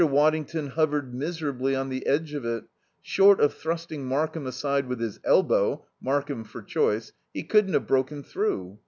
Waddington hovered miserably on the edge of it; short of thrusting Markham aside with his elbow (Markham for choice) he couldn't have broken through.